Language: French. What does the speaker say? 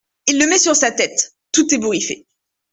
Il le met sur sa tête, tout ébouriffé.